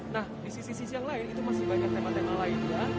nah di sisi sisi yang lain itu masih banyak tema tema lainnya